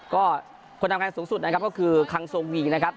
ก็คนทำงานสูงสุดนะครับก็คือคังทรงวีนะครับ